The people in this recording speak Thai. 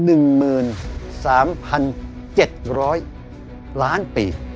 จักรวาลของเรามีอายุประมาณ๑๓๗๐๐ปี